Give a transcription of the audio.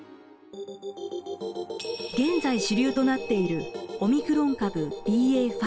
現在主流となっているオミクロン株ＢＡ．５。